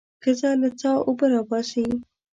ښځه له څاه اوبه راباسي.